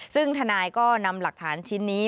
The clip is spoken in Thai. ซึ่งทนายก็นำหลักฐานชิ้นนี้